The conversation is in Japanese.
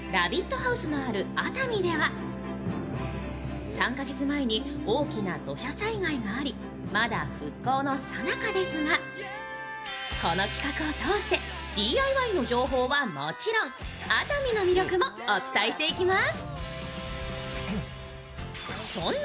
ハウスのある熱海では、３カ月前に大きな土砂災害がありまだ復興のさなかですが、この企画を通して、ＤＩＹの情報はもちろん熱海の魅力もお伝えしていきます。